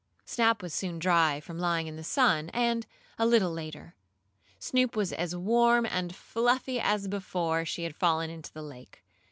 Snap was soon dry, from lying in the sun, and, a little later, Snoop was as warm and fluffy as before she had fallen into the lake.